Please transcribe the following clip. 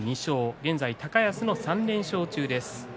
現在、高安の３連勝中です。